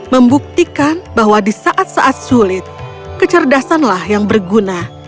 membuktikan bahwa di saat saat sulit kecerdasanlah yang berguna